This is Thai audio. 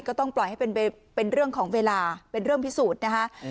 ก็ต้องปล่อยให้เป็นเรื่องของเวลาเป็นเรื่องพิสูจน์นะคะ